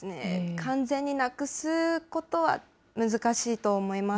完全になくすことは難しいと思います。